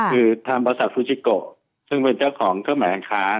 คือทางบริษัทฟูจิโกซึ่งเป็นเจ้าของเครื่องหมายการค้า